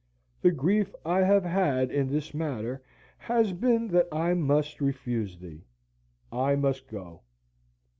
"The grief I have had in this matter has been that I must refuse thee. I must go.